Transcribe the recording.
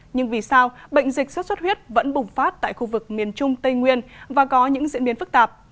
nhưng vì sao bệnh dịch xuất xuất huyết vẫn bùng phát tại khu vực miền trung tây nguyên và có những diễn biến phức tạp